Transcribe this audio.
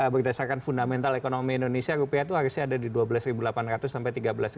berdasarkan fundamental ekonomi indonesia rupiah itu harusnya ada di dua belas delapan ratus sampai tiga belas lima ratus